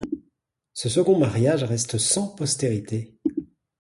Ce second mariage reste sans postérité.